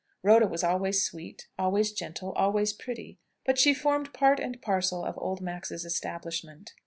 Rhoda was always sweet, always gentle, always pretty, but she formed part and parcel of old Max's establishment.